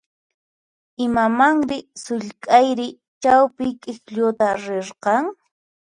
Imamanmi sullk'ayri chawpi k'iklluta rirqan?